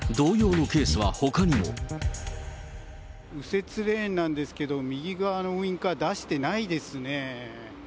右折レーンなんですけど、右側のウインカー出してないですね。